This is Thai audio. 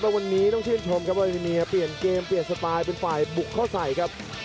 วันนี้ต้องชื่นชมครับวาริเนียเปลี่ยนเกมเปลี่ยนสไตล์เป็นฝ่ายบุกเข้าใส่ครับ